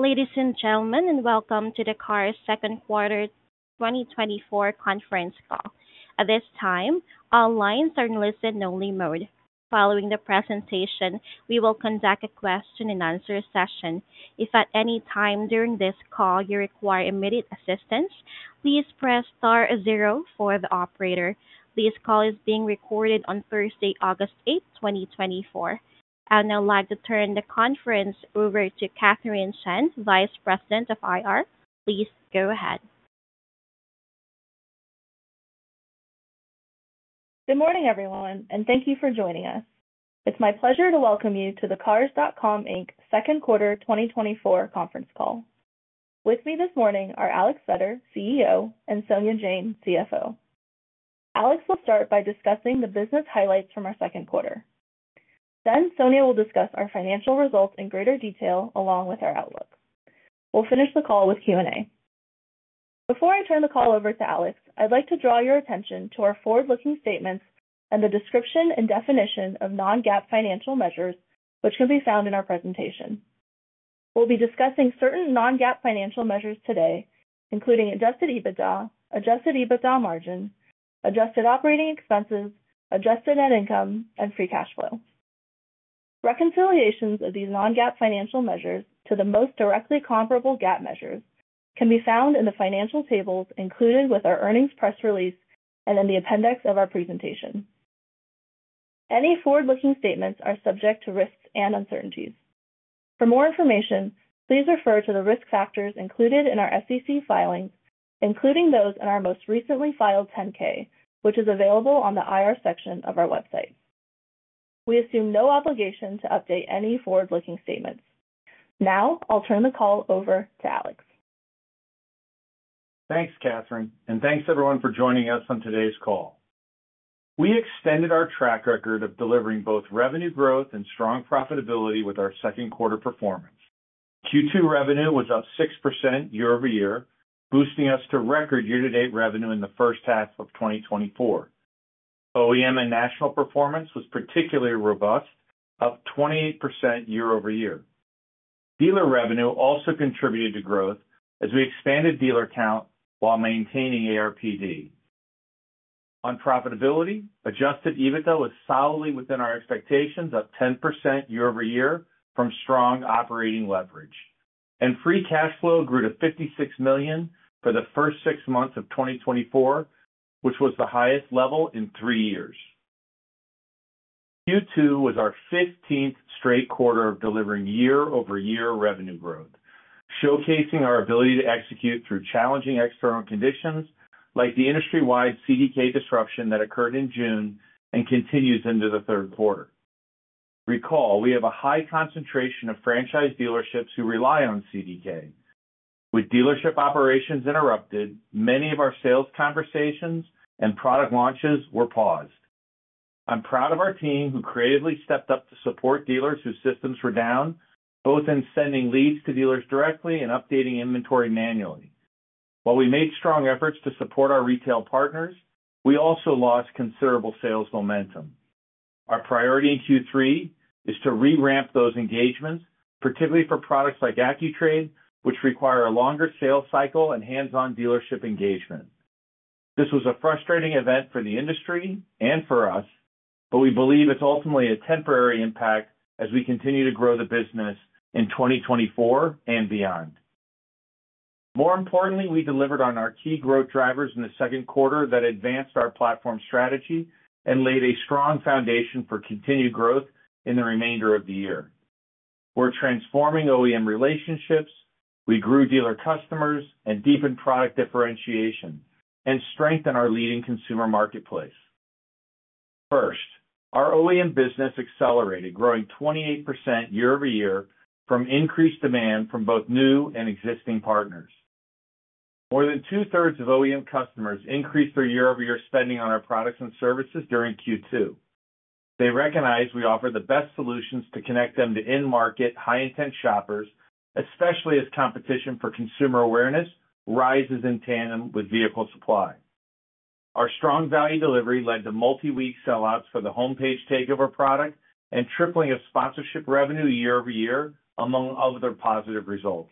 Ladies and gentlemen, welcome to the Cars Second Quarter 2024 Conference Call. At this time, all lines are in listen-only mode. Following the presentation, we will conduct a question-and-answer session. If at any time during this call you require immediate assistance, please press star zero for the operator. This call is being recorded on Thursday, August 8, 2024. I'd now like to turn the conference over to Katherine Chen, Vice President of IR. Please go ahead. Good morning, everyone, and thank you for joining us. It's my pleasure to welcome you to the Cars.com, Inc. Second Quarter 2024 Conference Call. With me this morning are Alex Vetter, CEO, and Sonia Jain, CFO. Alex will start by discussing the business highlights from our second quarter. Then Sonia will discuss our financial results in greater detail, along with our outlook. We'll finish the call with Q&A. Before I turn the call over to Alex, I'd like to draw your attention to our forward-looking statements and the description and definition of non-GAAP financial measures, which can be found in our presentation. We'll be discussing certain non-GAAP financial measures today, including Adjusted EBITDA, Adjusted EBITDA Margin, Adjusted Operating Expenses, Adjusted Net Income, and free cash flow. Reconciliations of these non-GAAP financial measures to the most directly comparable GAAP measures can be found in the financial tables included with our earnings press release and in the appendix of our presentation. Any forward-looking statements are subject to risks and uncertainties. For more information, please refer to the risk factors included in our SEC filings, including those in our most recently filed 10-K, which is available on the IR section of our website. We assume no obligation to update any forward-looking statements. Now, I'll turn the call over to Alex. Thanks, Katherine, and thanks everyone for joining us on today's call. We extended our track record of delivering both revenue growth and strong profitability with our second quarter performance. Q2 revenue was up 6% year-over-year, boosting us to record year-to-date revenue in the first half of 2024. OEM and national performance was particularly robust, up 28% year-over-year. Dealer revenue also contributed to growth as we expanded dealer count while maintaining ARPD. On profitability, Adjusted EBITDA was solidly within our expectations, up 10% year-over-year from strong operating leverage. Free cash flow grew to $56 million for the first six months of 2024, which was the highest level in three years. Q2 was our 15th straight quarter of delivering year-over-year revenue growth, showcasing our ability to execute through challenging external conditions like the industry-wide CDK disruption that occurred in June and continues into the third quarter. Recall, we have a high concentration of franchise dealerships who rely on CDK. With dealership operations interrupted, many of our sales conversations and product launches were paused. I'm proud of our team, who creatively stepped up to support dealers whose systems were down, both in sending leads to dealers directly and updating inventory manually. While we made strong efforts to support our retail partners, we also lost considerable sales momentum. Our priority in Q3 is to re-ramp those engagements, particularly for products like AccuTrade, which require a longer sales cycle and hands-on dealership engagement. This was a frustrating event for the industry and for us, but we believe it's ultimately a temporary impact as we continue to grow the business in 2024 and beyond. More importantly, we delivered on our key growth drivers in the second quarter that advanced our platform strategy and laid a strong foundation for continued growth in the remainder of the year. We're transforming OEM relationships, we grew dealer customers and deepened product differentiation and strengthened our leading consumer marketplace. First, our OEM business accelerated, growing 28% year-over-year from increased demand from both new and existing partners. More than two-thirds of OEM customers increased their year-over-year spending on our products and services during Q2. They recognized we offer the best solutions to connect them to in-market, high-intent shoppers, especially as competition for consumer awareness rises in tandem with vehicle supply. Our strong value delivery led to multi-week sellouts for the Homepage Takeover product and tripling of sponsorship revenue year-over-year, among other positive results.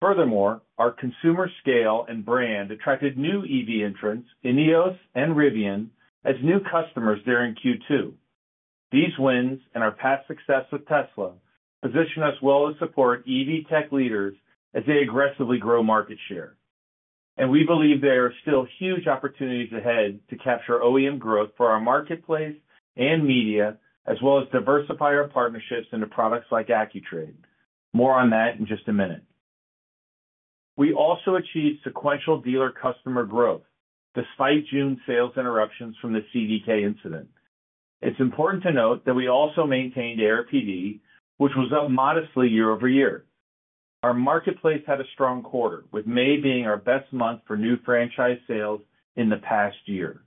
Furthermore, our consumer scale and brand attracted new EV entrants, INEOS and Rivian, as new customers during Q2. These wins, and our past success with Tesla, position us well to support EV tech leaders as they aggressively grow market share, and we believe there are still huge opportunities ahead to capture OEM growth for our marketplace and media, as well as diversify our partnerships into products like AccuTrade. More on that in just a minute. We also achieved sequential dealer customer growth despite June sales interruptions from the CDK incident. It's important to note that we also maintained ARPD, which was up modestly year-over-year. Our marketplace had a strong quarter, with May being our best month for new franchise sales in the past year,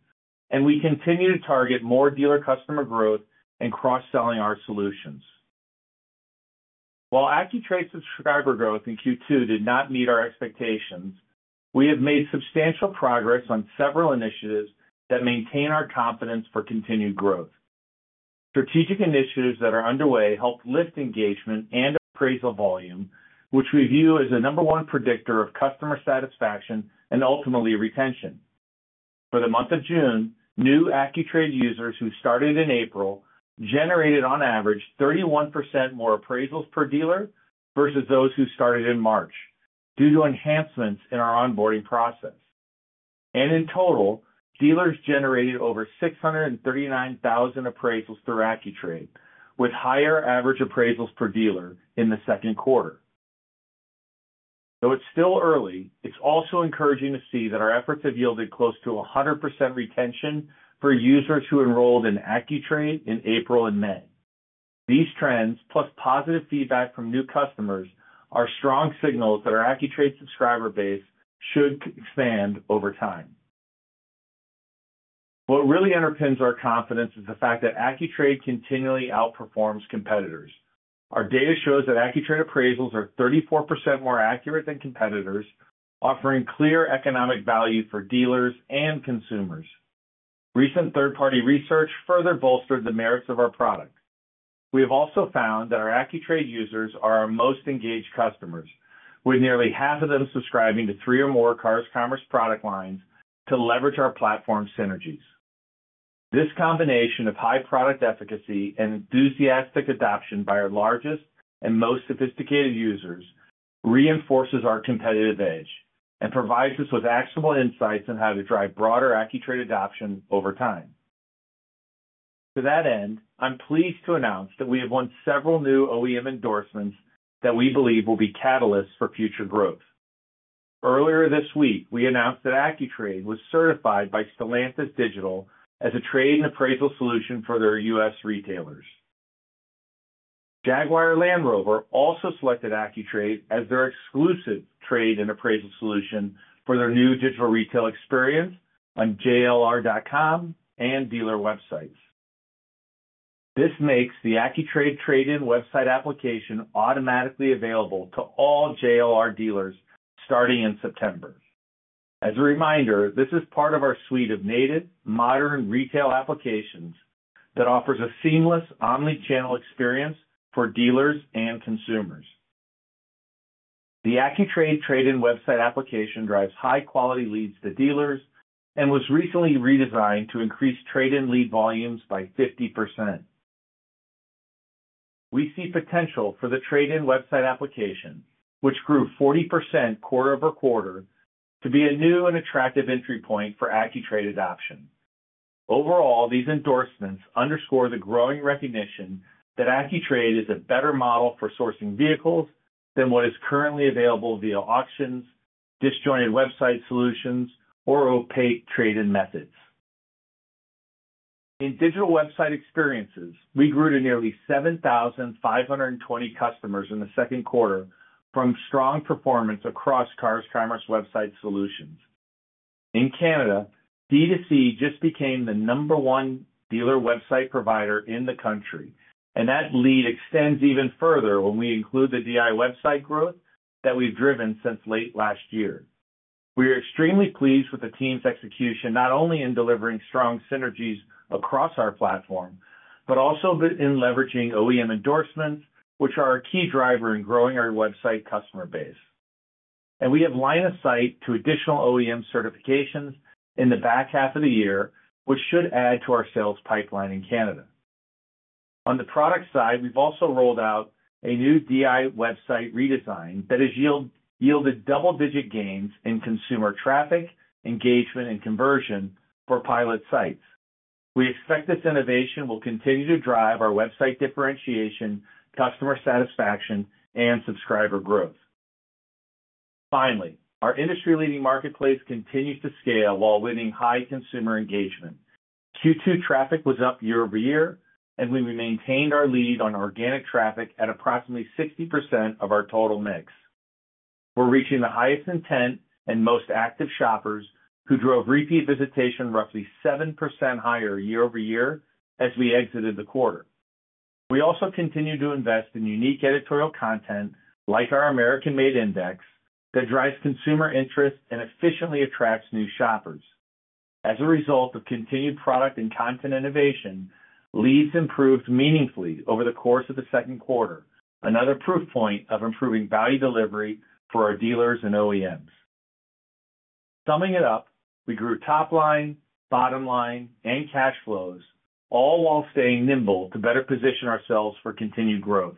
and we continue to target more dealer customer growth and cross-selling our solutions. While AccuTrade subscriber growth in Q2 did not meet our expectations. We have made substantial progress on several initiatives that maintain our confidence for continued growth. Strategic initiatives that are underway help lift engagement and appraisal volume, which we view as the number one predictor of customer satisfaction and ultimately, retention. For the month of June, new AccuTrade users who started in April, generated on average 31% more appraisals per dealer versus those who started in March, due to enhancements in our onboarding process. In total, dealers generated over 639,000 appraisals through AccuTrade, with higher average appraisals per dealer in the second quarter. Though it's still early, it's also encouraging to see that our efforts have yielded close to 100% retention for users who enrolled in AccuTrade in April and May. These trends, plus positive feedback from new customers, are strong signals that our AccuTrade subscriber base should expand over time. What really underpins our confidence is the fact that AccuTrade continually outperforms competitors. Our data shows that AccuTrade appraisals are 34% more accurate than competitors, offering clear economic value for dealers and consumers. Recent third-party research further bolstered the merits of our product. We have also found that our AccuTrade users are our most engaged customers, with nearly half of them subscribing to three or more Cars Commerce product lines to leverage our platform synergies. This combination of high product efficacy and enthusiastic adoption by our largest and most sophisticated users reinforces our competitive edge and provides us with actionable insights on how to drive broader AccuTrade adoption over time. To that end, I'm pleased to announce that we have won several new OEM endorsements that we believe will be catalysts for future growth. Earlier this week, we announced that AccuTrade was certified by Stellantis Digital as a trade-in appraisal solution for their U.S. retailers. Jaguar Land Rover also selected AccuTrade as their exclusive trade-in appraisal solution for their new digital retail experience on jlr.com and dealer websites. This makes the AccuTrade trade-in website application automatically available to all JLR dealers starting in September. As a reminder, this is part of our suite of native, modern retail applications that offers a seamless omnichannel experience for dealers and consumers. The AccuTrade trade-in website application drives high-quality leads to dealers and was recently redesigned to increase trade-in lead volumes by 50%. We see potential for the trade-in website application, which grew 40% quarter-over-quarter, to be a new and attractive entry point for AccuTrade adoption. Overall, these endorsements underscore the growing recognition that AccuTrade is a better model for sourcing vehicles than what is currently available via auctions, disjointed website solutions, or opaque trade-in methods. In digital website experiences, we grew to nearly 7,520 customers in the second quarter from strong performance across Cars Commerce website solutions. In Canada, D2C just became the number one dealer website provider in the country, and that lead extends even further when we include the DI website growth that we've driven since late last year. We are extremely pleased with the team's execution, not only in delivering strong synergies across our platform, but also in leveraging OEM endorsements, which are a key driver in growing our website customer base. We have line of sight to additional OEM certifications in the back half of the year, which should add to our sales pipeline in Canada. On the product side, we've also rolled out a new DI website redesign that has yielded double-digit gains in consumer traffic, engagement, and conversion for pilot sites. We expect this innovation will continue to drive our website differentiation, customer satisfaction, and subscriber growth. Finally, our industry-leading marketplace continues to scale while winning high consumer engagement. Q2 traffic was up year-over-year, and we maintained our lead on organic traffic at approximately 60% of our total mix. We're reaching the highest intent and most active shoppers, who drove repeat visitation roughly 7% higher year-over-year as we exited the quarter. We also continue to invest in unique editorial content, like our American-Made Index, that drives consumer interest and efficiently attracts new shoppers. As a result of continued product and content innovation, leads improved meaningfully over the course of the second quarter, another proof point of improving value delivery for our dealers and OEMs. Summing it up, we grew top line, bottom line, and cash flows, all while staying nimble to better position ourselves for continued growth.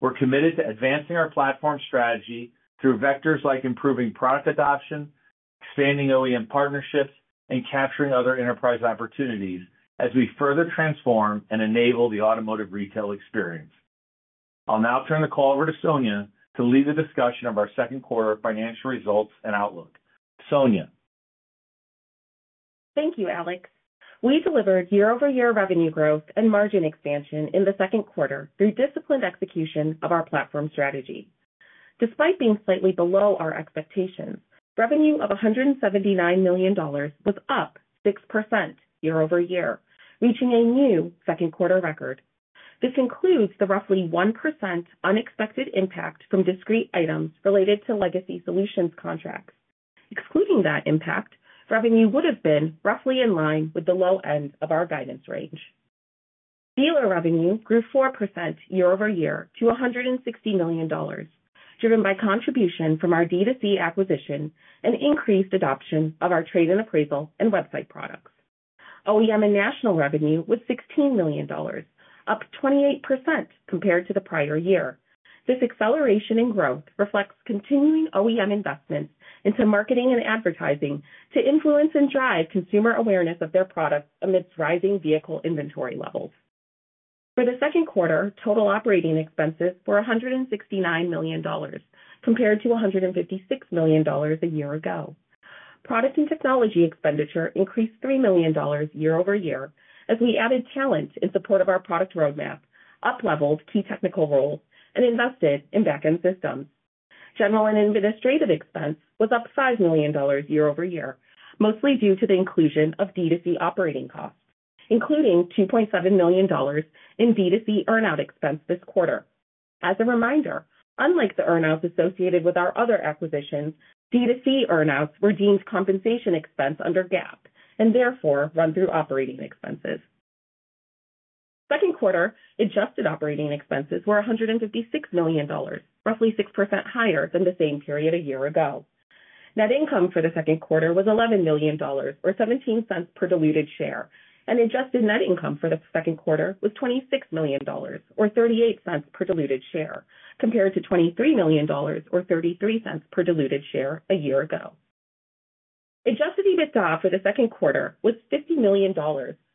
We're committed to advancing our platform strategy through vectors like improving product adoption, expanding OEM partnerships, and capturing other enterprise opportunities as we further transform and enable the automotive retail experience. I'll now turn the call over to Sonia to lead the discussion of our second quarter financial results and outlook. Sonia? Thank you, Alex. We delivered year-over-year revenue growth and margin expansion in the second quarter through disciplined execution of our platform strategy. Despite being slightly below our expectations, revenue of $179 million was up 6% year-over-year, reaching a new second quarter record. This includes the roughly 1% unexpected impact from discrete items related to legacy solutions contracts. Excluding that impact, revenue would have been roughly in line with the low end of our guidance range. Dealer revenue grew 4% year-over-year to $160 million, driven by contribution from our D2C acquisition and increased adoption of our trade-in appraisal and website products. OEM and national revenue was $16 million, up 28% compared to the prior year. This acceleration in growth reflects continuing OEM investments into marketing and advertising to influence and drive consumer awareness of their products amidst rising vehicle inventory levels. For the second quarter, total operating expenses were $169 million, compared to $156 million a year ago. Product and technology expenditure increased $3 million year-over-year as we added talent in support of our product roadmap, up-leveled key technical roles, and invested in back-end systems. General and administrative expense was up $5 million year-over-year, mostly due to the inclusion of D2C operating costs, including $2.7 million in D2C earn-out expense this quarter. As a reminder, unlike the earn-outs associated with our other acquisitions, D2C earn-outs were deemed compensation expense under GAAP, and therefore run through operating expenses. Second quarter adjusted operating expenses were $156 million, roughly 6% higher than the same period a year ago. Net income for the second quarter was $11 million or $0.17 per diluted share, and adjusted net income for the second quarter was $26 million, or $0.38 per diluted share, compared to $23 million or $0.33 per diluted share a year ago. Adjusted EBITDA for the second quarter was $50 million,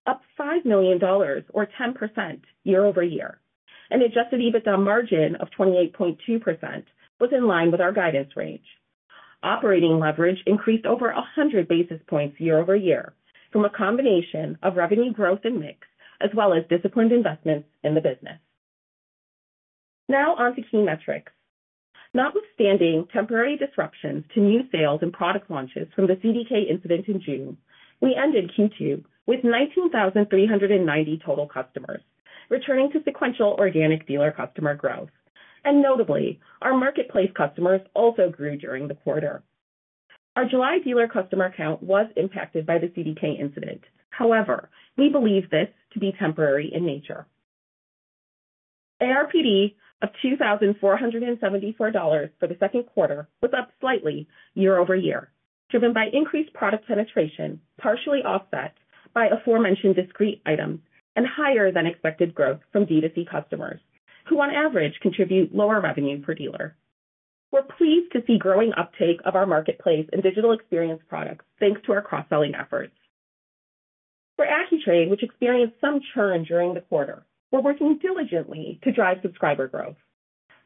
up $5 million or 10% year-over-year, and Adjusted EBITDA margin of 28.2% was in line with our guidance range. Operating leverage increased over 100 basis points year-over-year from a combination of revenue growth and mix, as well as disciplined investments in the business. Now on to key metrics. Notwithstanding temporary disruptions to new sales and product launches from the CDK incident in June, we ended Q2 with 19,390 total customers, returning to sequential organic dealer customer growth. Notably, our marketplace customers also grew during the quarter. Our July dealer customer count was impacted by the CDK incident. However, we believe this to be temporary in nature. ARPD of $2,474 for the second quarter was up slightly year-over-year, driven by increased product penetration, partially offset by aforementioned discrete items and higher than expected growth from D2C customers, who on average, contribute lower revenue per dealer. We're pleased to see growing uptake of our marketplace and digital experience products, thanks to our cross-selling efforts. For AccuTrade, which experienced some churn during the quarter, we're working diligently to drive subscriber growth.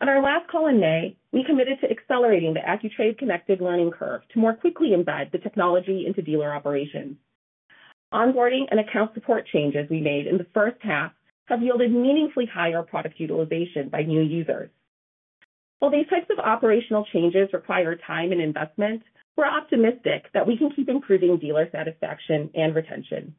On our last call in May, we committed to accelerating the AccuTrade Connected learning curve to more quickly embed the technology into dealer operations. Onboarding and account support changes we made in the first half have yielded meaningfully higher product utilization by new users. While these types of operational changes require time and investment, we're optimistic that we can keep improving dealer satisfaction and retention.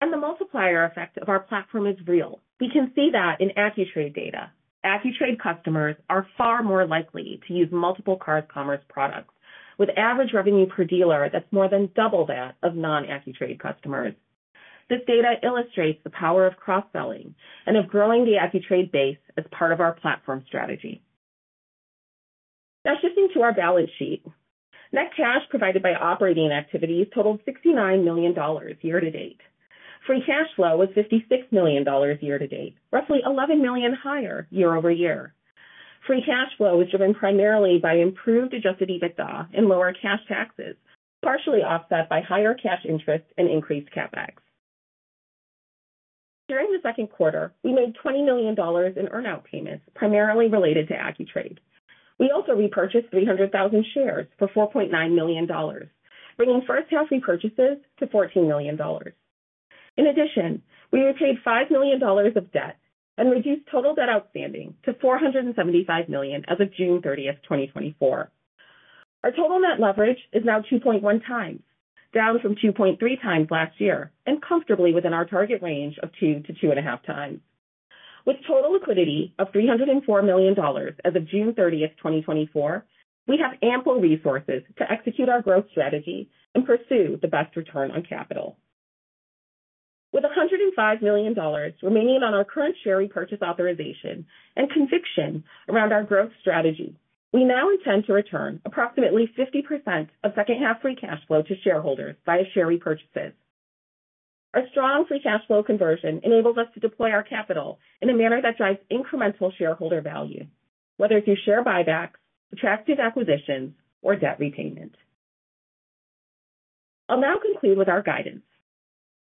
The multiplier effect of our platform is real. We can see that in AccuTrade data. AccuTrade customers are far more likely to use multiple Cars Commerce products, with average revenue per dealer that's more than double that of non-AccuTrade customers. This data illustrates the power of cross-selling and of growing the AccuTrade base as part of our platform strategy. Now, shifting to our balance sheet. Net cash provided by operating activities totaled $69 million year-to-date. Free cash flow was $56 million year-to-date, roughly $11 million higher year-over-year. Free cash flow was driven primarily by improved Adjusted EBITDA and lower cash taxes, partially offset by higher cash interest and increased CapEx. During the second quarter, we made $20 million in earn-out payments, primarily related to AccuTrade. We also repurchased 300,000 shares for $4.9 million, bringing first half repurchases to $14 million. In addition, we repaid $5 million of debt and reduced total debt outstanding to $475 million as of June 30, 2024. Our total net leverage is now 2.1x, down from 2.3 times last year, and comfortably within our target range of 2-2.5x. With total liquidity of $304 million as of June 30, 2024, we have ample resources to execute our growth strategy and pursue the best return on capital. With $105 million remaining on our current share repurchase authorization and conviction around our growth strategy, we now intend to return approximately 50% of second half free cash flow to shareholders via share repurchases. Our strong free cash flow conversion enables us to deploy our capital in a manner that drives incremental shareholder value, whether through share buybacks, attractive acquisitions, or debt repayment. I'll now conclude with our guidance.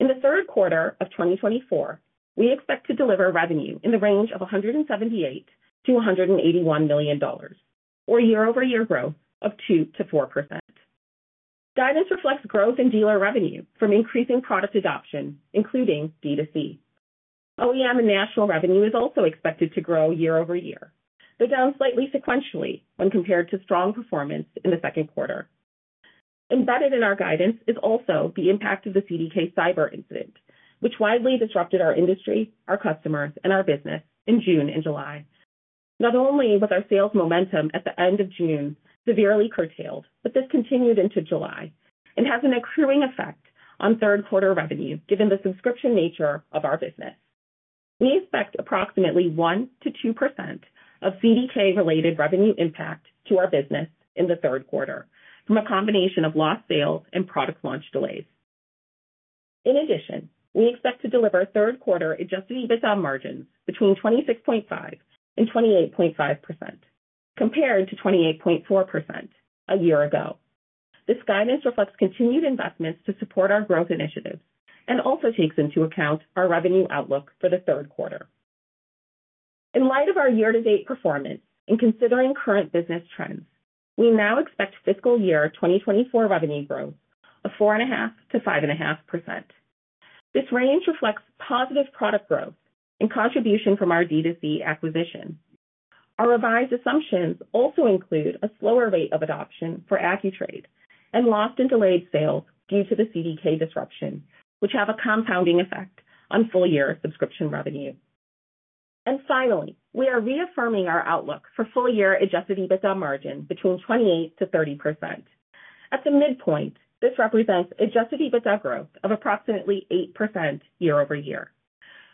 In the third quarter of 2024, we expect to deliver revenue in the range of $178 million-$181 million, or year-over-year growth of 2%-4%. Guidance reflects growth in dealer revenue from increasing product adoption, including D2C. OEM and national revenue is also expected to grow year-over-year, but down slightly sequentially when compared to strong performance in the second quarter. Embedded in our guidance is also the impact of the CDK cyber incident, which widely disrupted our industry, our customers, and our business in June and July. Not only was our sales momentum at the end of June severely curtailed, but this continued into July and has an accruing effect on third quarter revenue, given the subscription nature of our business. We expect approximately 1%-2% of CDK-related revenue impact to our business in the third quarter, from a combination of lost sales and product launch delays. In addition, we expect to deliver third quarter Adjusted EBITDA margins between 26.5% and 28.5%, compared to 28.4% a year ago. This guidance reflects continued investments to support our growth initiatives and also takes into account our revenue outlook for the third quarter. In light of our year-to-date performance, in considering current business trends, we now expect fiscal year 2024 revenue growth of 4.5%-5.5%. This range reflects positive product growth and contribution from our D2C acquisition. Our revised assumptions also include a slower rate of adoption for AccuTrade and lost and delayed sales due to the CDK disruption, which have a compounding effect on full-year subscription revenue. And finally, we are reaffirming our outlook for full-year Adjusted EBITDA margin between 28%-30%. At the midpoint, this represents Adjusted EBITDA growth of approximately 8% year-over-year.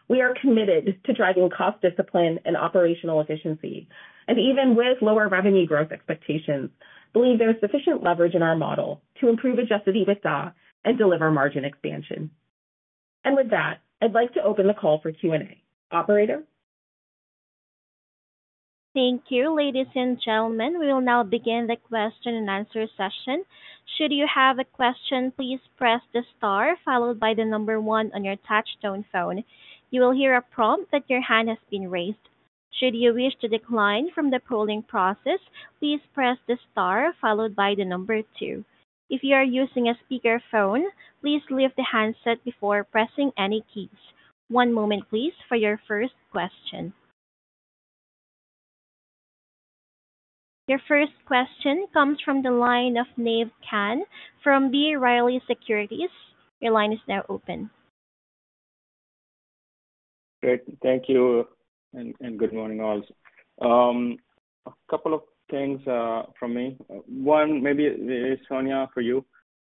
We are committed to driving cost discipline and operational efficiency, and even with lower revenue growth expectations, believe there is sufficient leverage in our model to improve Adjusted EBITDA and deliver margin expansion. With that, I'd like to open the call for Q&A. Operator? Thank you, ladies and gentlemen. We will now begin the question and answer session. Should you have a question, please press the star followed by the number one on your touchtone phone. You will hear a prompt that your hand has been raised. Should you wish to decline from the polling process, please press the star followed by the number two. If you are using a speakerphone, please leave the handset before pressing any keys. One moment, please, for your first question. Your first question comes from the line of Naved Khan from B. Riley Securities. Your line is now open. Great, thank you, and good morning, all. A couple of things from me. One, maybe, Sonia, for you.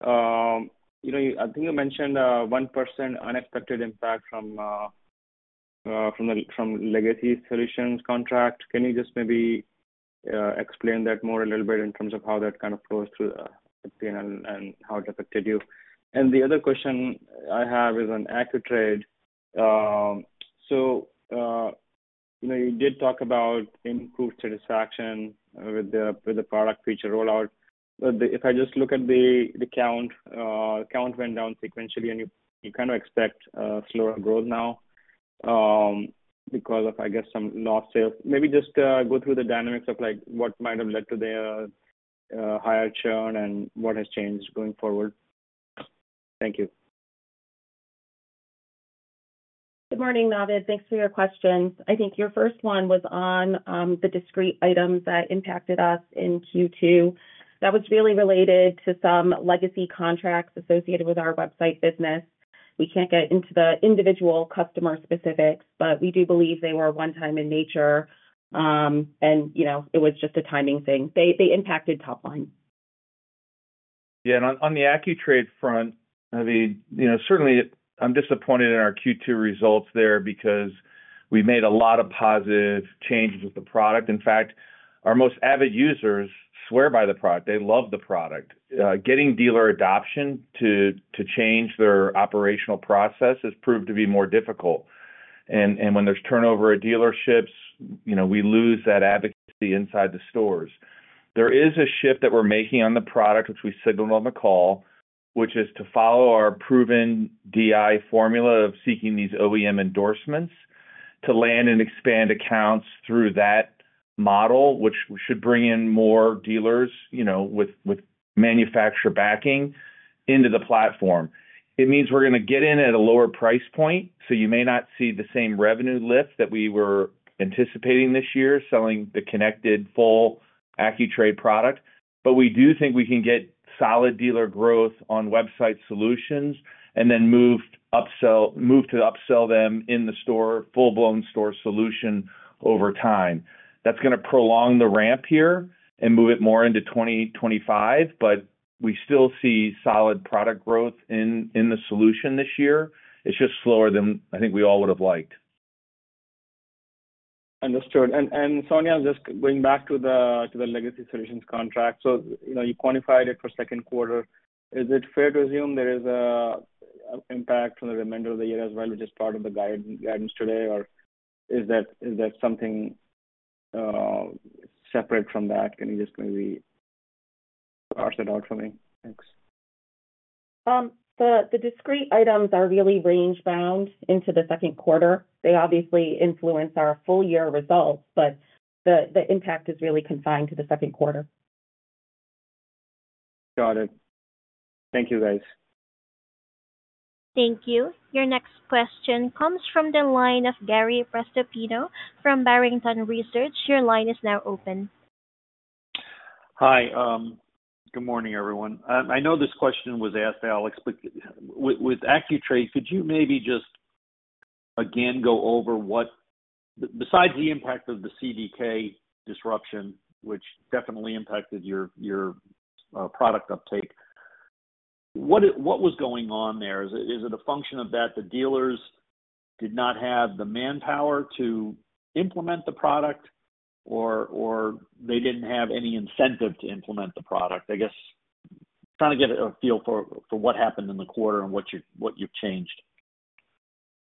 You know, I think you mentioned 1% unexpected impact from legacy solutions contract. Can you just maybe explain that more a little bit in terms of how that kind of flows through, and how it affected you? And the other question I have is on AccuTrade. So, you know, you did talk about improved satisfaction with the product feature rollout. But if I just look at the count, count went down sequentially, and you kind of expect slower growth now, because of, I guess, some lost sales. Maybe just go through the dynamics of, like, what might have led to the higher churn and what has changed going forward. Thank you. Good morning, Naved. Thanks for your questions. I think your first one was on the discrete items that impacted us in Q2. That was really related to some legacy contracts associated with our website business. We can't get into the individual customer specifics, but we do believe they were one time in nature, and you know, it was just a timing thing. They, they impacted top line. Yeah, and on the AccuTrade front, I mean, you know, certainly I'm disappointed in our Q2 results there because we made a lot of positive changes with the product. In fact, our most avid users swear by the product. They love the product. Getting dealer adoption to change their operational process has proved to be more difficult. And when there's turnover at dealerships, you know, we lose that advocacy inside the stores. There is a shift that we're making on the product, which we signaled on the call, which is to follow our proven DI formula of seeking these OEM endorsements, to land and expand accounts through that model, which should bring in more dealers, you know, with manufacturer backing into the platform. It means we're gonna get in at a lower price point, so you may not see the same revenue lift that we were anticipating this year, selling the connected full AccuTrade product. But we do think we can get solid dealer growth on website solutions and then move to upsell them in the store, full-blown store solution over time. That's gonna prolong the ramp here and move it more into 2025, but we still see solid product growth in the solution this year. It's just slower than I think we all would have liked. Understood. And Sonia, just going back to the legacy solutions contract. So you know, you quantified it for second quarter. Is it fair to assume there is an impact on the remainder of the year as well, which is part of the guidance today, or is that something separate from that? Can you just maybe parse it out for me? Thanks. The discrete items are really range bound into the second quarter. They obviously influence our full year results, but the impact is really confined to the second quarter. Got it. Thank you, guys. ... Thank you. Your next question comes from the line of Gary Prestopino from Barrington Research. Your line is now open. Hi. Good morning, everyone. I know this question was asked, Alex, but with AccuTrade, could you maybe just again go over what, besides the impact of the CDK disruption, which definitely impacted your product uptake, what was going on there? Is it a function of that the dealers did not have the manpower to implement the product, or they didn't have any incentive to implement the product? I guess, trying to get a feel for what happened in the quarter and what you've changed.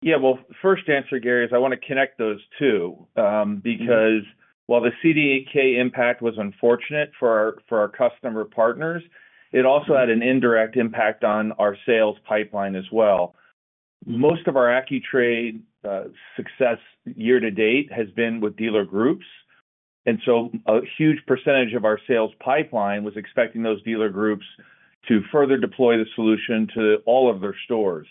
Yeah. Well, first answer, Gary, is I want to connect those two. Because while the CDK impact was unfortunate for our, for our customer partners, it also had an indirect impact on our sales pipeline as well. Most of our AccuTrade success year to date has been with dealer groups, and so a huge percentage of our sales pipeline was expecting those dealer groups to further deploy the solution to all of their stores.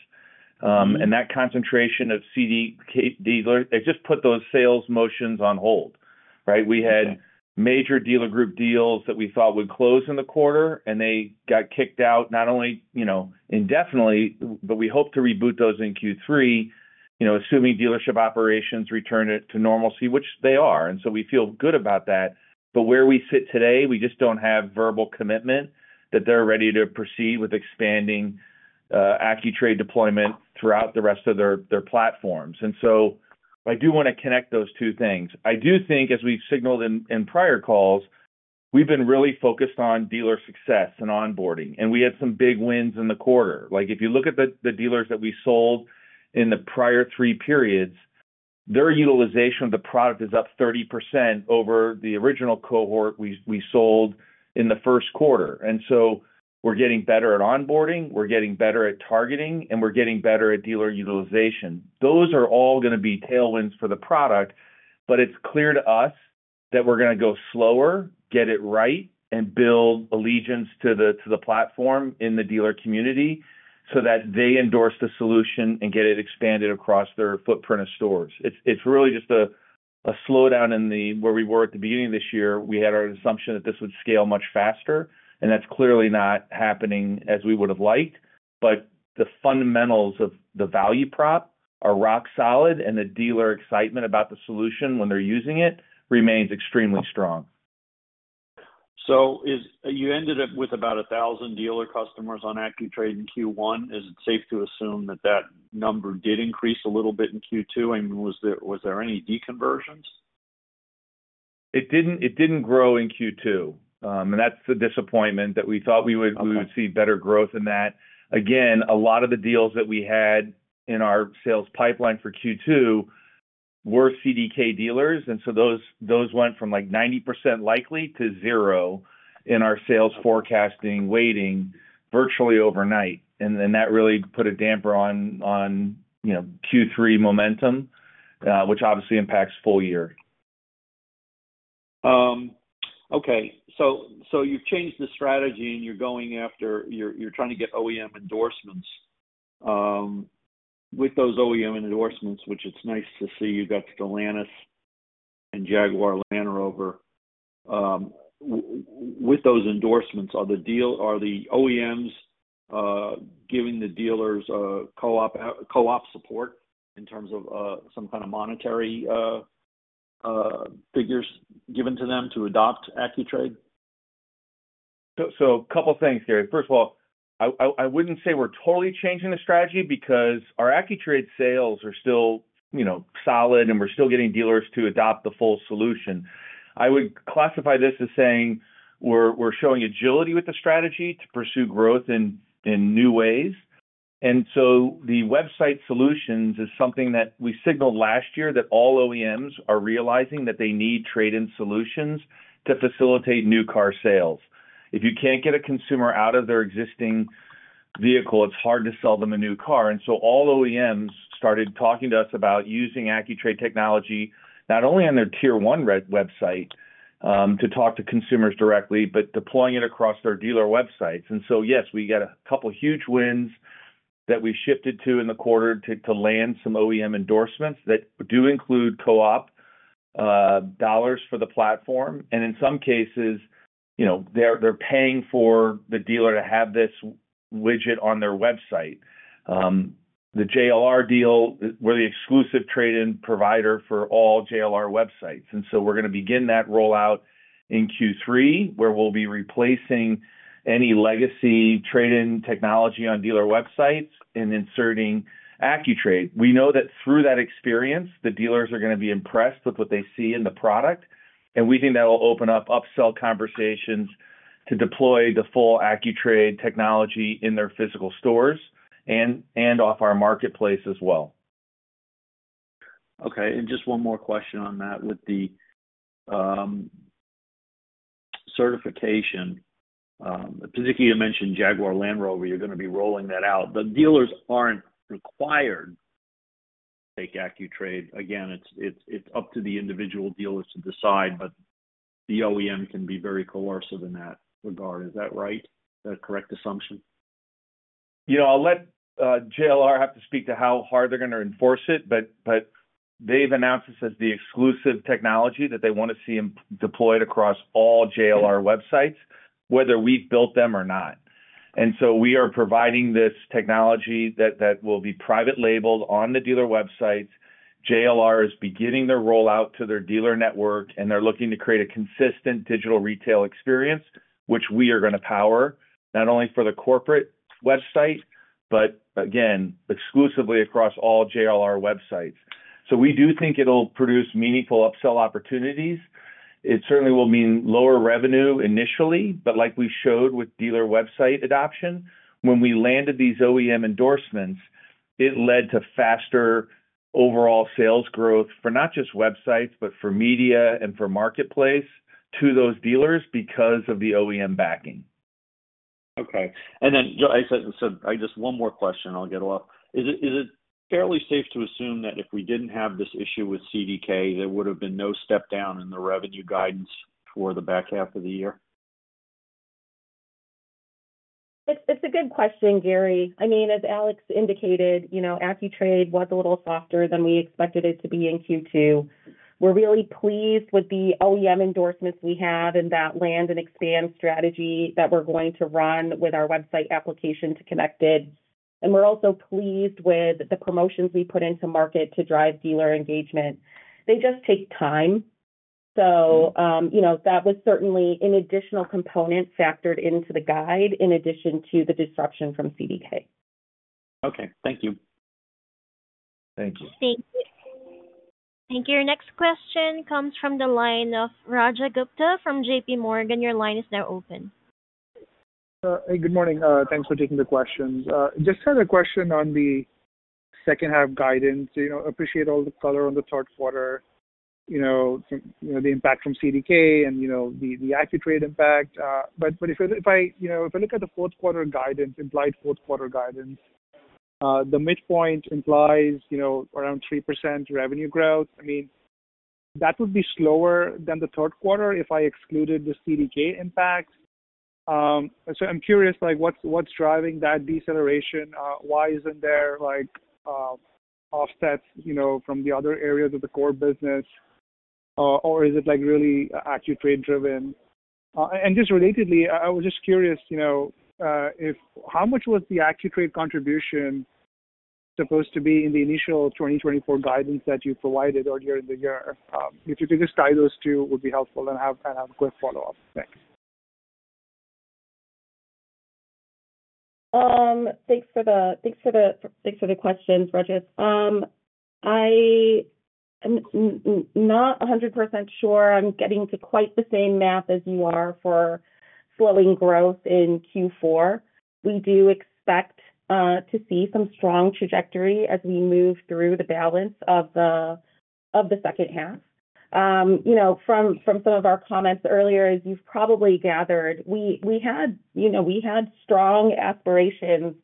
And that concentration of CDK dealers, it just put those sales motions on hold, right? We had major dealer group deals that we thought would close in the quarter, and they got kicked out, not only, you know, indefinitely, but we hope to reboot those in Q3, you know, assuming dealership operations return it to normalcy, which they are. And so we feel good about that. But where we sit today, we just don't have verbal commitment that they're ready to proceed with expanding AccuTrade deployment throughout the rest of their platforms. And so I do want to connect those two things. I do think, as we've signaled in prior calls, we've been really focused on dealer success and onboarding, and we had some big wins in the quarter. Like, if you look at the dealers that we sold in the prior three periods, their utilization of the product is up 30% over the original cohort we sold in the first quarter. And so we're getting better at onboarding, we're getting better at targeting, and we're getting better at dealer utilization. Those are all gonna be tailwinds for the product, but it's clear to us that we're gonna go slower, get it right, and build allegiance to the platform in the dealer community, so that they endorse the solution and get it expanded across their footprint of stores. It's really just a slowdown in the... Where we were at the beginning of this year, we had our assumption that this would scale much faster, and that's clearly not happening as we would have liked. But the fundamentals of the value prop are rock solid, and the dealer excitement about the solution when they're using it remains extremely strong. So you ended up with about 1,000 dealer customers on AccuTrade in Q1. Is it safe to assume that that number did increase a little bit in Q2, and was there any deconversions? It didn't grow in Q2. And that's the disappointment, that we thought we would- Okay. We would see better growth than that. Again, a lot of the deals that we had in our sales pipeline for Q2 were CDK dealers, and so those went from, like, 90% likely to zero in our sales forecasting weighting virtually overnight. And then that really put a damper on, you know, Q3 momentum, which obviously impacts full year. Okay. So you've changed the strategy, and you're going after—you're trying to get OEM endorsements. With those OEM endorsements, which it's nice to see, you got Stellantis and Jaguar Land Rover. With those endorsements, are the OEMs giving the dealers co-op support in terms of some kind of monetary figures given to them to adopt AccuTrade? So, a couple things, Gary. First of all, I wouldn't say we're totally changing the strategy because our AccuTrade sales are still, you know, solid, and we're still getting dealers to adopt the full solution. I would classify this as saying, we're showing agility with the strategy to pursue growth in new ways. And so the website solutions is something that we signaled last year, that all OEMs are realizing that they need trade-in solutions to facilitate new car sales. If you can't get a consumer out of their existing vehicle, it's hard to sell them a new car. And so all OEMs started talking to us about using AccuTrade technology, not only on their tier one retail website to talk to consumers directly, but deploying it across their dealer websites. And so, yes, we got a couple huge wins that we shifted to in the quarter to land some OEM endorsements that do include co-op dollars for the platform. And in some cases, you know, they're paying for the dealer to have this widget on their website. The JLR deal, we're the exclusive trade-in provider for all JLR websites, and so we're gonna begin that rollout in Q3, where we'll be replacing any legacy trade-in technology on dealer websites and inserting AccuTrade. We know that through that experience, the dealers are gonna be impressed with what they see in the product, and we think that will open up upsell conversations to deploy the full AccuTrade technology in their physical stores and off our marketplace as well. Okay, and just one more question on that. With the certification, particularly, you mentioned Jaguar Land Rover, you're gonna be rolling that out. The dealers aren't required to take AccuTrade. Again, it's up to the individual dealers to decide, but the OEM can be very coercive in that regard. Is that right? Is that a correct assumption? Yeah, I'll let JLR have to speak to how hard they're gonna enforce it, but they've announced this as the exclusive technology that they wanna see implemented across all JLR websites, whether we've built them or not. And so we are providing this technology that will be private labeled on the dealer websites. JLR is beginning their rollout to their dealer network, and they're looking to create a consistent digital retail experience, which we are gonna power, not only for the corporate website, but again, exclusively across all JLR websites. So we do think it'll produce meaningful upsell opportunities. It certainly will mean lower revenue initially, but like we showed with dealer website adoption, when we landed these OEM endorsements, it led to faster overall sales growth for not just websites, but for media and for marketplace to those dealers because of the OEM backing. Okay. And then I said, so I just one more question, I'll get off. Is it, is it fairly safe to assume that if we didn't have this issue with CDK, there would have been no step down in the revenue guidance for the back half of the year? It's a good question, Gary. I mean, as Alex indicated, you know, AccuTrade was a little softer than we expected it to be in Q2. We're really pleased with the OEM endorsements we have in that land and expand strategy that we're going to run with our website application to Connected. And we're also pleased with the promotions we put into market to drive dealer engagement. They just take time. So, you know, that was certainly an additional component factored into the guide, in addition to the disruption from CDK. Okay, thank you. Thank you. Thank you. Thank you. Your next question comes from the line of Rajat Gupta from JPMorgan. Your line is now open. Hey, good morning. Thanks for taking the questions. Just had a question on the second half guidance. You know, appreciate all the color on the third quarter, you know, from, you know, the impact from CDK and, you know, the, the AccuTrade impact. But, but if I, if I, you know, if I look at the fourth quarter guidance, implied fourth quarter guidance, the midpoint implies, you know, around 3% revenue growth. I mean, that would be slower than the third quarter if I excluded the CDK impact. So I'm curious, like, what's, what's driving that deceleration? Why isn't there like, offsets, you know, from the other areas of the core business? Or is it, like, really AccuTrade driven? and just relatedly, I was just curious, you know, if how much was the AccuTrade contribution supposed to be in the initial 2024 guidance that you provided earlier in the year? If you could just tie those two, would be helpful, and I have, I have a quick follow-up. Thanks. Thanks for the questions, Raja. I am not 100% sure I'm getting to quite the same math as you are for slowing growth in Q4. We do expect to see some strong trajectory as we move through the balance of the second half. You know, from some of our comments earlier, as you've probably gathered, we had strong aspirations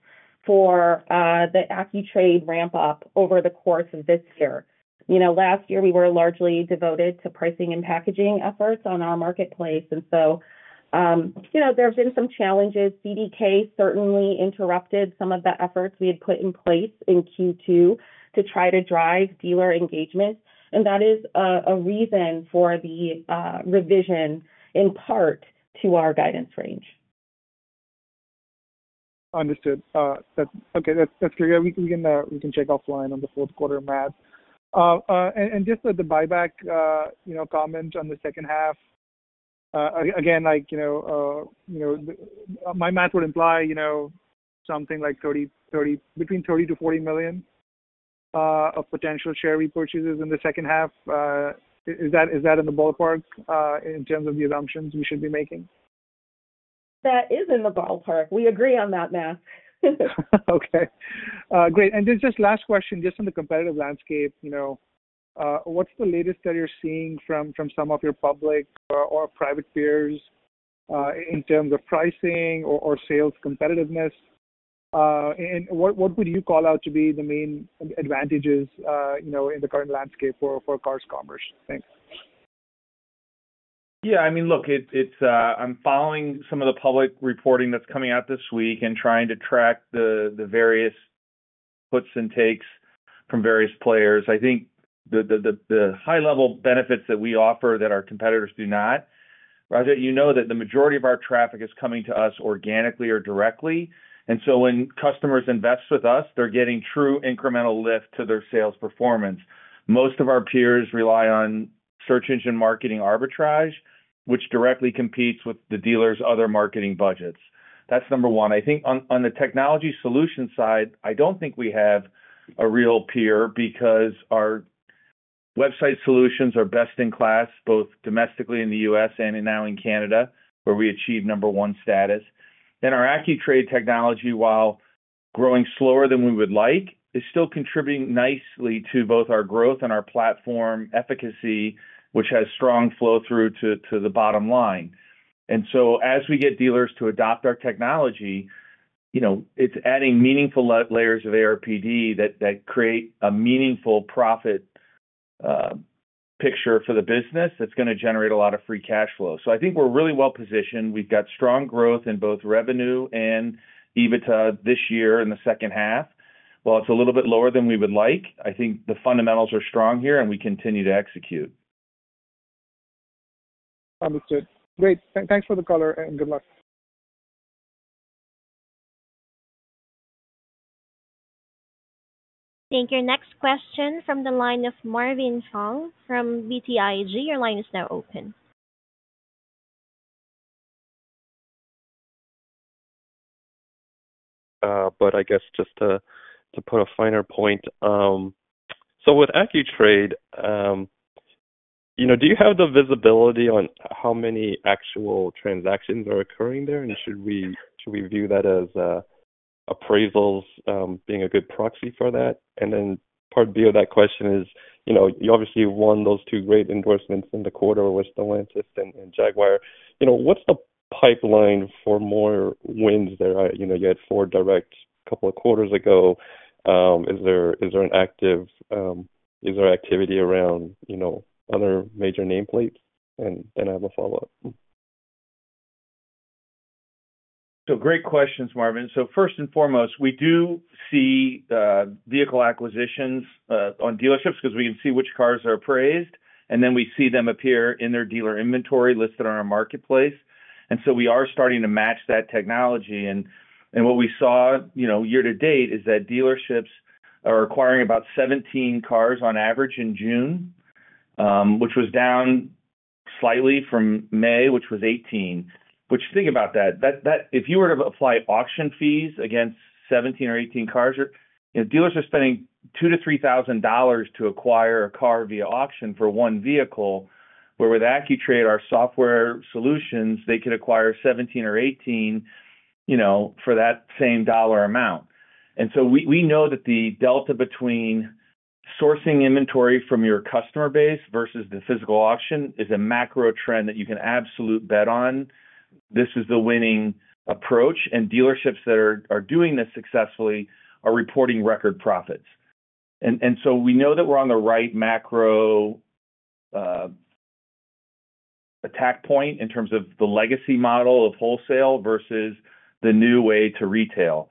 for the AccuTrade ramp-up over the course of this year. You know, last year we were largely devoted to pricing and packaging efforts on our marketplace, and so, you know, there have been some challenges. CDK certainly interrupted some of the efforts we had put in place in Q2 to try to drive dealer engagement, and that is a reason for the revision in part to our guidance range. Understood. That's... Okay, that's, that's great. We can, we can check offline on the fourth quarter math. And, and just with the buyback, you know, comment on the second half. Again, like, you know, you know, my math would imply, you know, something like 30, 30, between $30 million-$40 million of potential share repurchases in the second half. Is that, is that in the ballpark, in terms of the assumptions we should be making? That is in the ballpark. We agree on that math. Okay. Great. And then just last question, just on the competitive landscape, you know, what's the latest that you're seeing from, from some of your public or private peers, in terms of pricing or, or sales competitiveness? And what, what would you call out to be the main advantages, you know, in the current landscape for, for Cars Commerce? Thanks. Yeah, I mean, look, it's, it's, I'm following some of the public reporting that's coming out this week and trying to track the various puts and takes from various players. I think the high level benefits that we offer that our competitors do not, Rajat, you know that the majority of our traffic is coming to us organically or directly, and so when customers invest with us, they're getting true incremental lift to their sales performance. Most of our peers rely on search engine marketing arbitrage, which directly competes with the dealer's other marketing budgets. That's number one. I think on the technology solution side, I don't think we have a real peer because our website solutions are best in class, both domestically in the U.S. and now in Canada, where we achieve number one status. Then our AccuTrade technology, while growing slower than we would like, is still contributing nicely to both our growth and our platform efficacy, which has strong flow-through to the bottom line. And so as we get dealers to adopt our technology, you know, it's adding meaningful layers of ARPD that create a meaningful profit picture for the business that's gonna generate a lot of free cash flow. So I think we're really well positioned. We've got strong growth in both revenue and EBITDA this year in the second half. While it's a little bit lower than we would like, I think the fundamentals are strong here, and we continue to execute. Understood. Great. Thanks for the color, and good luck. Thank you. Your next question from the line of Marvin Fong from BTIG, your line is now open. But I guess just to put a finer point, so with AccuTrade, you know, do you have the visibility on how many actual transactions are occurring there? And should we view that as appraisals being a good proxy for that? And then part B of that question is, you know, you obviously won those two great endorsements in the quarter with Stellantis and Jaguar. You know, what's the pipeline for more wins there? You know, you had FordDirect couple of quarters ago. Is there activity around, you know, other major nameplates? And I have a follow-up. So great questions, Marvin. So first and foremost, we do see vehicle acquisitions on dealerships because we can see which cars are appraised, and then we see them appear in their dealer inventory listed on our marketplace. And so we are starting to match that technology. And what we saw, you know, year to date, is that dealerships are acquiring about 17 cars on average in June, which was down slightly from May, which was 18. Which, think about that, if you were to apply auction fees against 17 or 18 cars, you know, dealers are spending $2,000-$3,000 to acquire a car via auction for one vehicle. Where with AccuTrade, our software solutions, they could acquire 17 or 18, you know, for that same dollar amount. And so we know that the delta between sourcing inventory from your customer base versus the physical auction is a macro trend that you can absolutely bet on. This is the winning approach, and dealerships that are doing this successfully are reporting record profits. And so we know that we're on the right macro attack point in terms of the legacy model of wholesale versus the new way to retail.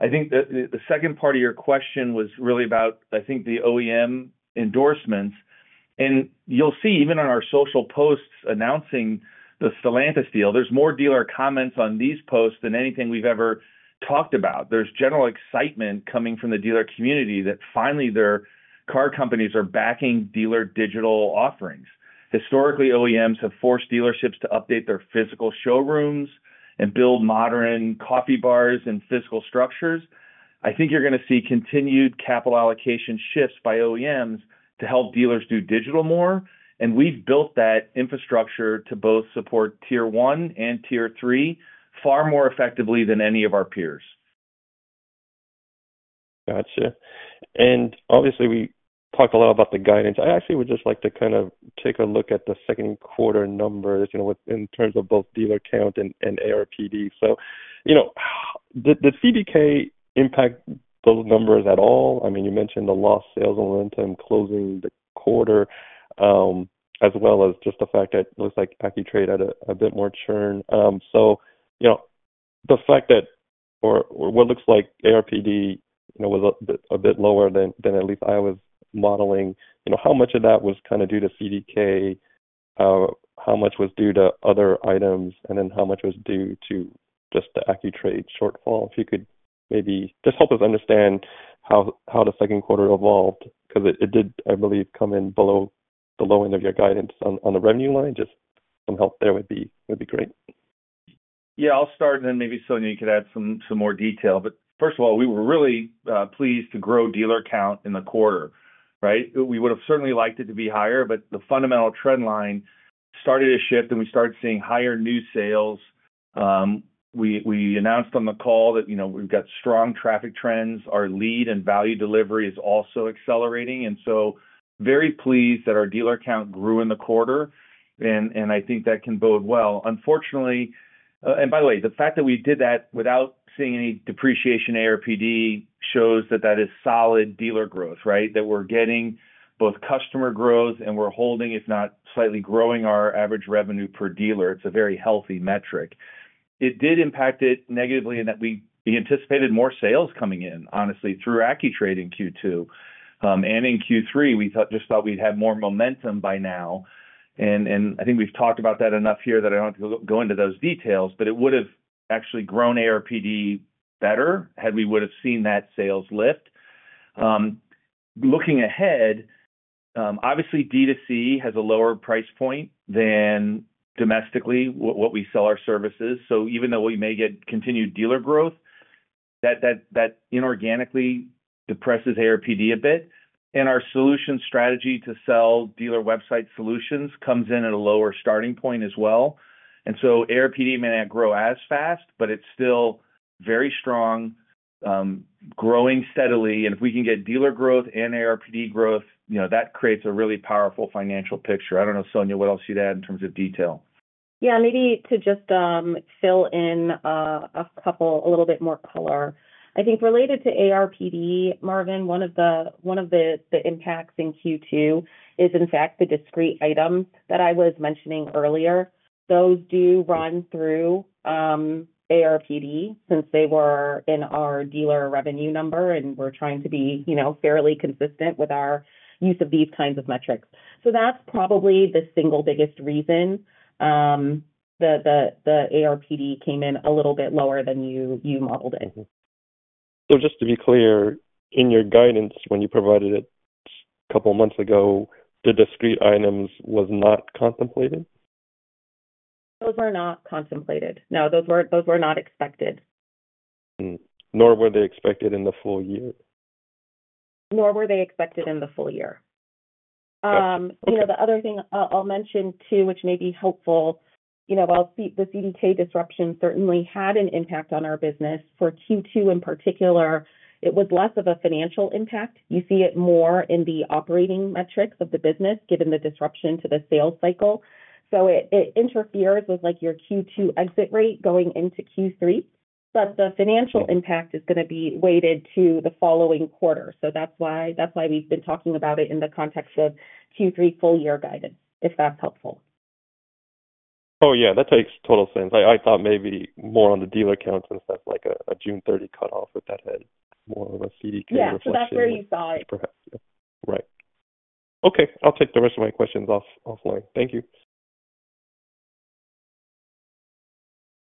I think the second part of your question was really about, I think, the OEM endorsements, and you'll see even on our social posts announcing the Stellantis deal, there's more dealer comments on these posts than anything we've ever talked about. There's general excitement coming from the dealer community that finally their car companies are backing dealer digital offerings. Historically, OEMs have forced dealerships to update their physical showrooms and build modern coffee bars and physical structures. I think you're going to see continued capital allocation shifts by OEMs to help dealers do digital more, and we've built that infrastructure to both support tier one and tier three far more effectively than any of our peers. Gotcha. And obviously, we talk a lot about the guidance. I actually would just like to kind of take a look at the second quarter numbers, you know, with, in terms of both dealer count and ARPD. So, you know, did CDK impact those numbers at all? I mean, you mentioned the lost sales on rent and closing the quarter, as well as just the fact that it looks like AccuTrade had a bit more churn. So, you know, the fact that or what looks like ARPD, you know, was a bit lower than at least I was modeling. You know, how much of that was kind of due to CDK? How much was due to other items, and then how much was due to just the AccuTrade shortfall? If you could maybe just help us understand how the second quarter evolved, because it did, I believe, come in below the low end of your guidance on the revenue line. Just some help there would be great. Yeah, I'll start, and then maybe, Sonia, you could add some more detail. But first of all, we were really pleased to grow dealer count in the quarter, right? We would have certainly liked it to be higher, but the fundamental trend line started to shift, and we started seeing higher new sales. We announced on the call that, you know, we've got strong traffic trends. Our lead and value delivery is also accelerating, and so very pleased that our dealer count grew in the quarter, and I think that can bode well. Unfortunately, and by the way, the fact that we did that without seeing any depreciation, ARPD, shows that that is solid dealer growth, right? That we're getting both customer growth, and we're holding, if not slightly growing, our average revenue per dealer. It's a very healthy metric. It did impact it negatively in that we anticipated more sales coming in, honestly, through AccuTrade in Q2. And in Q3, we thought, just thought we'd have more momentum by now, and I think we've talked about that enough here that I don't have to go into those details, but it would've actually grown ARPD better had we would've seen that sales lift. Looking ahead, obviously, D2C has a lower price point than domestically what we sell our services. So even though we may get continued dealer growth, that inorganically depresses ARPD a bit, and our solution strategy to sell dealer website solutions comes in at a lower starting point as well. And so ARPD may not grow as fast, but it's still very strong. Growing steadily, and if we can get dealer growth and ARPD growth, you know, that creates a really powerful financial picture. I don't know, Sonia, what else you'd add in terms of detail? Yeah, maybe to just fill in a couple, a little bit more color. I think related to ARPD, Marvin, one of the impacts in Q2 is, in fact, the discrete item that I was mentioning earlier. Those do run through ARPD since they were in our dealer revenue number, and we're trying to be, you know, fairly consistent with our use of these kinds of metrics. So that's probably the single biggest reason the ARPD came in a little bit lower than you modeled it. Just to be clear, in your guidance, when you provided it a couple months ago, the discrete items was not contemplated? Those were not contemplated. No, those were not expected. Nor were they expected in the full year? Nor were they expected in the full year. Okay. The other thing I'll mention too, which may be helpful. You know, while the CDK disruption certainly had an impact on our business for Q2 in particular, it was less of a financial impact. You see it more in the operating metrics of the business, given the disruption to the sales cycle. So it interferes with, like, your Q2 exit rate going into Q3, but the financial impact is gonna be weighted to the following quarter. So that's why we've been talking about it in the context of Q3 full year guidance, if that's helpful. Oh, yeah, that makes total sense. I, I thought maybe more on the dealer accounts and stuff, like a June 30 cutoff, if that had more of a CDK reflection? Yeah, so that's where you saw it. Perhaps. Right. Okay, I'll take the rest of my questions offline. Thank you.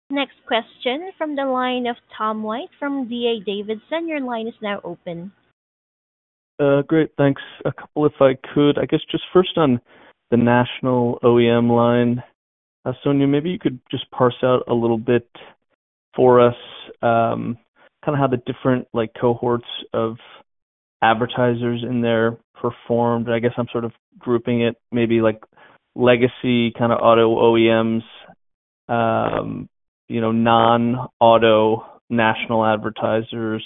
Next question from the line of Tom White from D.A. Davidson. Your line is now open. Great, thanks. A couple, if I could, I guess just first on the national OEM line. Sonia, maybe you could just parse out a little bit for us, kind of how the different, like, cohorts of advertisers in there performed. I guess I'm sort of grouping it, maybe like legacy kind of auto OEMs, you know, non-auto national advertisers,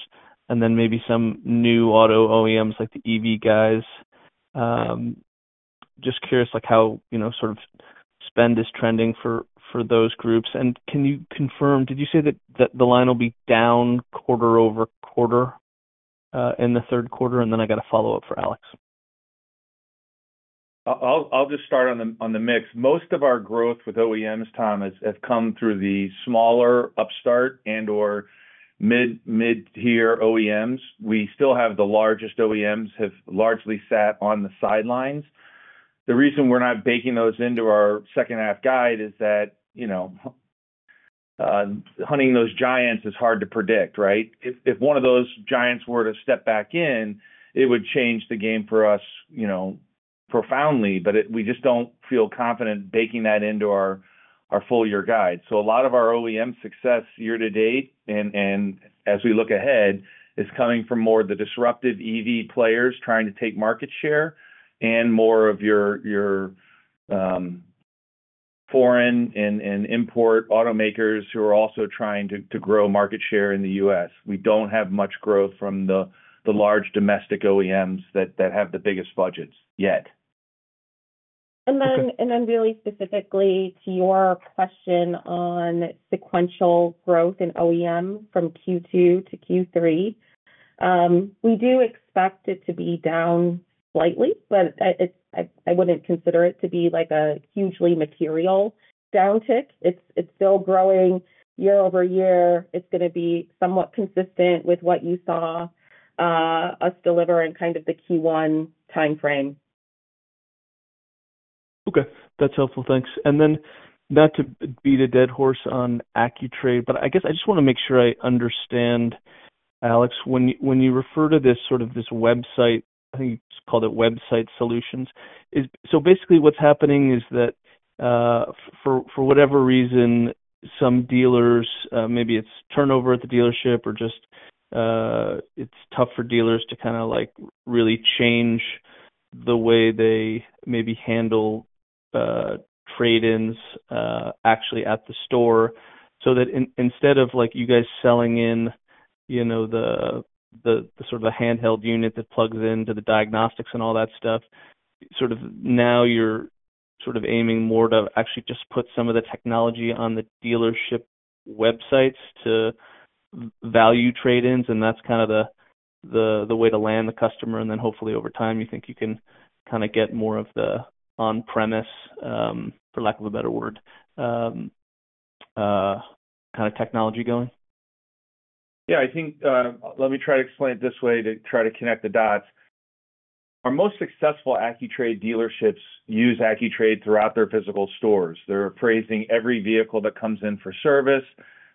and then maybe some new auto OEMs, like the EV guys. Just curious, like, how, you know, sort of spend is trending for those groups. And can you confirm, did you say that the line will be down quarter-over-quarter in the third quarter? And then I got a follow-up for Alex. I'll just start on the mix. Most of our growth with OEMs, Tom, has come through the smaller upstart and or mid-tier OEMs. We still, the largest OEMs have largely sat on the sidelines. The reason we're not baking those into our second half guide is that, you know, hunting those giants is hard to predict, right? If one of those giants were to step back in, it would change the game for us, you know, profoundly, but it—we just don't feel confident baking that into our full year guide. So a lot of our OEM success year to date, and as we look ahead, is coming from more of the disruptive EV players trying to take market share and more of your foreign and import automakers who are also trying to grow market share in the U.S. We don't have much growth from the large domestic OEMs that have the biggest budgets yet. Then really specifically to your question on sequential growth in OEM from Q2 to Q3. We do expect it to be down slightly, but it. I wouldn't consider it to be like a hugely material downtick. It's still growing year-over-year. It's gonna be somewhat consistent with what you saw us deliver in kind of the Q1 timeframe. Okay, that's helpful. Thanks. And then not to beat a dead horse on AccuTrade, but I guess I just want to make sure I understand, Alex, when you refer to this sort of, this website, I think you just called it website solutions. Is so basically what's happening is that, for whatever reason, some dealers, maybe it's turnover at the dealership or just, it's tough for dealers to kinda, like, really change the way they maybe handle, trade-ins, actually at the store. So that instead of like you guys selling in, you know, the sort of handheld unit that plugs into the diagnostics and all that stuff, sort of now you're sort of aiming more to actually just put some of the technology on the dealership websites to value trade-ins, and that's kind of the way to land the customer. And then hopefully, over time, you think you can kinda get more of the on-premise, for lack of a better word, kind of technology going? Yeah, I think, let me try to explain it this way to try to connect the dots. Our most successful AccuTrade dealerships use AccuTrade throughout their physical stores. They're appraising every vehicle that comes in for service.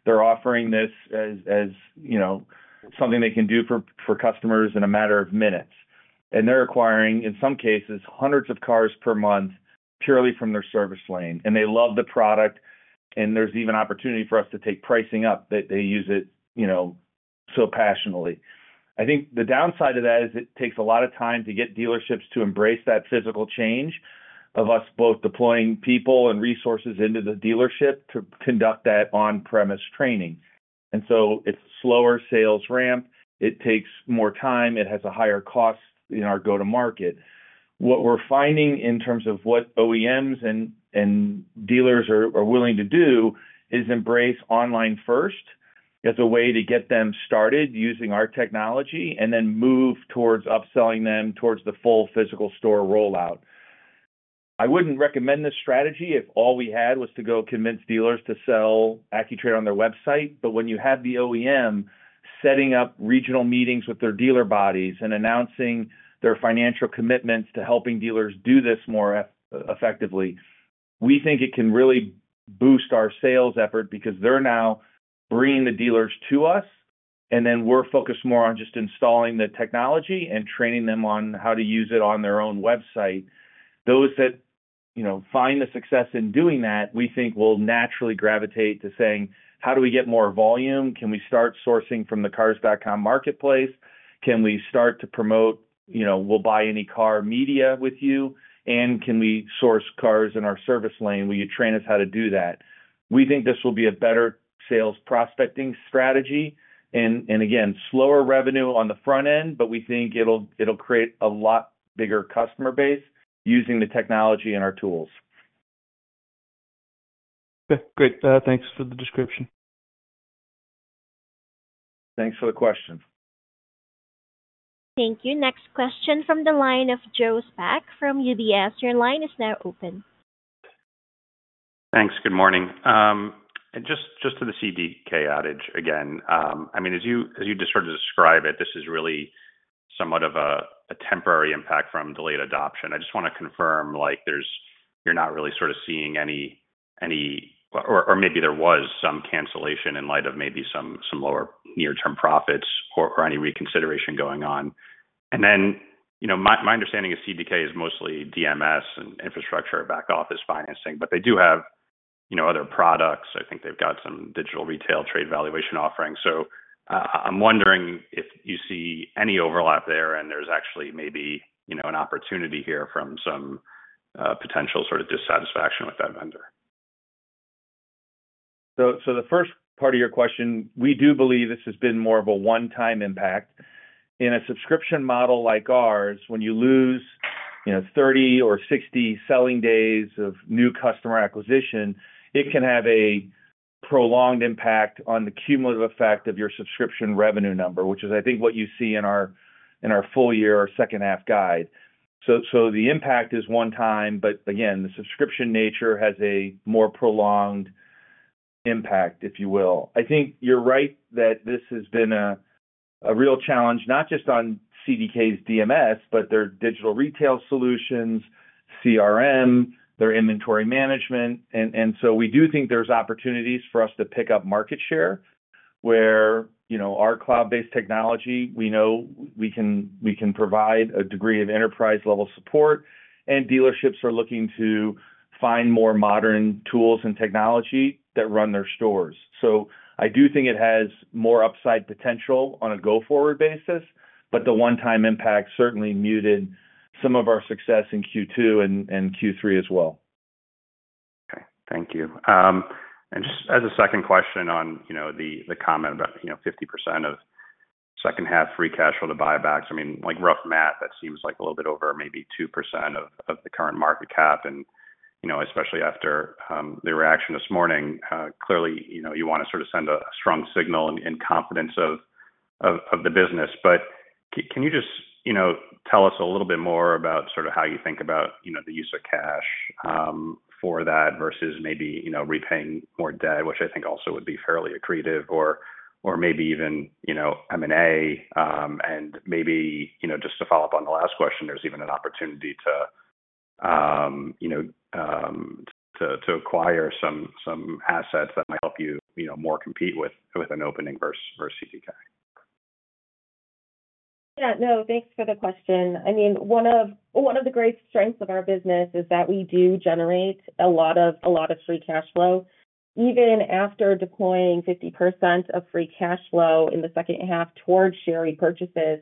They're offering this as, as, you know, something they can do for, for customers in a matter of minutes. And they're acquiring, in some cases, hundreds of cars per month, purely from their service lane. And they love the product, and there's even opportunity for us to take pricing up that they use it, you know, so passionately. I think the downside of that is it takes a lot of time to get dealerships to embrace that physical change of us both deploying people and resources into the dealership to conduct that on-premise training. And so it's slower sales ramp, it takes more time, it has a higher cost in our go-to-market. What we're finding in terms of what OEMs and dealers are willing to do, is embrace online first as a way to get them started using our technology and then move towards upselling them towards the full physical store rollout. I wouldn't recommend this strategy if all we had was to go convince dealers to sell AccuTrade on their website. But when you have the OEM setting up regional meetings with their dealer bodies and announcing their financial commitments to helping dealers do this more effectively, we think it can really boost our sales effort because they're now bringing the dealers to us, and then we're focused more on just installing the technology and training them on how to use it on their own website. Those that, you know, find the success in doing that, we think will naturally gravitate to saying: "How do we get more volume? Can we start sourcing from the Cars.com Marketplace? Can we start to promote, you know, we'll buy any car media with you, and can we source cars in our service lane? Will you train us how to do that?" We think this will be a better sales prospecting strategy and, and again, slower revenue on the front end, but we think it'll, it'll create a lot bigger customer base using the technology and our tools. Okay, great. Thanks for the description. Thanks for the question. Thank you. Next question from the line of Joe Spak from UBS. Your line is now open. Thanks. Good morning. And just to the CDK outage again. I mean, as you just sort of describe it, this is really somewhat of a temporary impact from delayed adoption. I just want to confirm, like, there's—you're not really sort of seeing any... or maybe there was some cancellation in light of maybe some lower near-term profits or any reconsideration going on. And then, you know, my understanding is CDK is mostly DMS and infrastructure back office financing, but they do have, you know, other products. I think they've got some digital retail trade valuation offerings. So I'm wondering if you see any overlap there, and there's actually maybe, you know, an opportunity here from some potential sort of dissatisfaction with that vendor. So, the first part of your question, we do believe this has been more of a one-time impact. In a subscription model like ours, when you lose, you know, 30 or 60 selling days of new customer acquisition, it can have a prolonged impact on the cumulative effect of your subscription revenue number, which is, I think, what you see in our full year or second half guide. So, the impact is one time, but again, the subscription nature has a more prolonged impact, if you will. I think you're right that this has been a real challenge, not just on CDK's DMS, but their digital retail solutions, CRM, their inventory management. So we do think there's opportunities for us to pick up market share where, you know, our cloud-based technology, we know we can provide a degree of enterprise-level support, and dealerships are looking to find more modern tools and technology that run their stores. So I do think it has more upside potential on a go-forward basis, but the one-time impact certainly muted some of our success in Q2 and Q3 as well. Okay. Thank you. And just as a second question on, you know, the comment about, you know, 50% of second half free cash flow to buybacks. I mean, like rough math, that seems like a little bit over maybe 2% of the current market cap. And, you know, especially after the reaction this morning, clearly, you know, you want to sort of send a strong signal in confidence of the business. But can you just, you know, tell us a little bit more about sort of how you think about, you know, the use of cash for that versus maybe, you know, repaying more debt, which I think also would be fairly accretive, or maybe even, you know, M&A? And maybe, you know, just to follow up on the last question, there's even an opportunity to, you know, acquire some assets that might help you, you know, more compete with an OEM versus CDK. Yeah, no, thanks for the question. I mean, one of the great strengths of our business is that we do generate a lot of free cash flow. Even after deploying 50% of free cash flow in the second half towards share repurchases,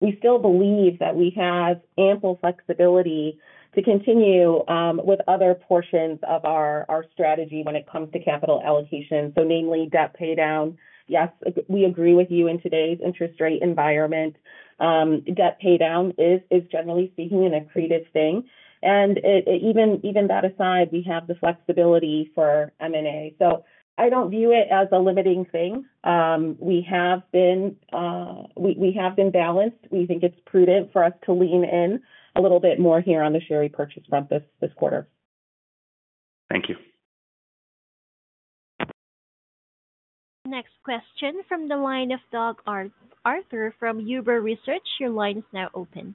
we still believe that we have ample flexibility to continue with other portions of our strategy when it comes to capital allocation, so namely, debt paydown. Yes, we agree with you in today's interest rate environment, debt paydown is generally speaking an accretive thing. And even that aside, we have the flexibility for M&A. So I don't view it as a limiting thing. We have been balanced. We think it's prudent for us to lean in a little bit more here on the share repurchase front this quarter. Thank you. Next question from the line of Doug Arthur from Huber Research. Your line is now open.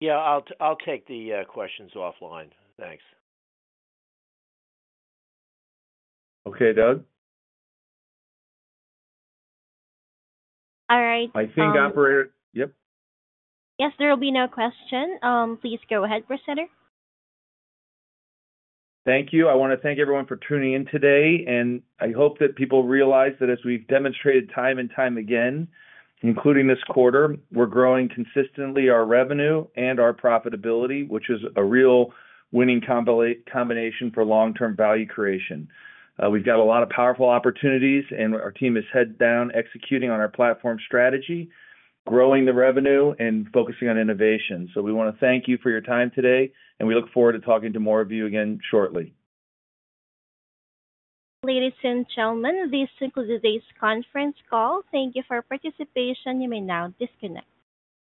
Yeah, I'll take the questions offline. Thanks. Okay, Doug? All right, I think, operator... Yep. Yes, there will be no question. Please go ahead, presenter. Thank you. I want to thank everyone for tuning in today, and I hope that people realize that as we've demonstrated time and time again, including this quarter, we're growing consistently our revenue and our profitability, which is a real winning combination for long-term value creation. We've got a lot of powerful opportunities, and our team is head down, executing on our platform strategy, growing the revenue and focusing on innovation. So we want to thank you for your time today, and we look forward to talking to more of you again shortly. Ladies and gentlemen, this concludes today's conference call. Thank you for your participation. You may now disconnect.